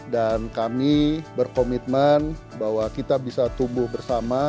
dan kami berkomitmen bahwa kita bisa tumbuh bersama